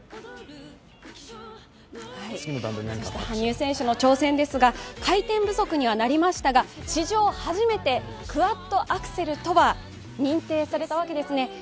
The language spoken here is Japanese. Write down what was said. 羽生選手の挑戦ですが回転不足にはなりましたが史上初めてクワッドアクセルとは認定されたわけですね。